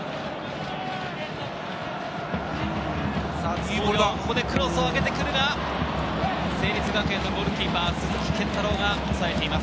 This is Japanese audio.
津工業、ここでクロスを上げてくるが、成立学園のゴールキーパー・鈴木健太郎が抑えています。